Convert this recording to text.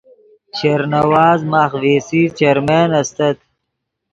شیر نواز ماخ وی سی چیرمین استت